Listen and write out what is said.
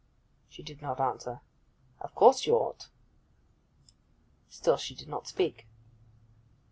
She did not answer. 'Of course you ought.' Still she did not speak.